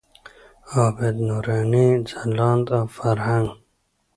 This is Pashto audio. عابد، نوراني، ځلاند او فرهنګ.